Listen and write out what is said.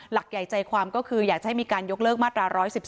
หลักใหญ่ใจความก็คืออยากจะให้มีการยกเลิกมาตรา๑๑๒